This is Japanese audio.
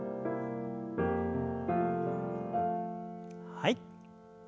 はい。